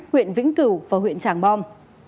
huyện vĩnh cửu và huyện tràng bom